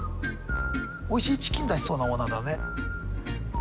おいしいチキン出しそうなオーナーだね。